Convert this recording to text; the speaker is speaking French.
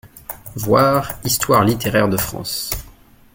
(Voir _Histoire littéraire de la France_, t.